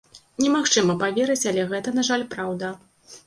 Немагчыма паверыць, але гэта, на жаль, праўда.